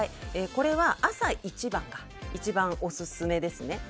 これは朝一番が一番オススメですね。